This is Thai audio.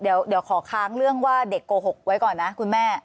เดี๋ยวขอค้างเรื่องว่าเด็กโกหกไว้ก่อนนะคุณแม่